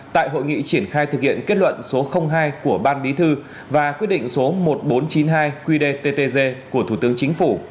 tại hội nghị triển khai thực hiện kết luận số hai của ban bí thư và quyết định số một nghìn bốn trăm chín mươi hai qdttg của thủ tướng chính phủ